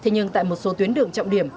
nhưng tại một số tuyến đường trọng điểm